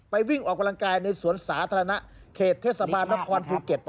วิ่งออกกำลังกายในสวนสาธารณะเขตเทศบาลนครภูเก็ต